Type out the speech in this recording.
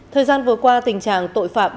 thời gian vừa qua tình trạng tội phạm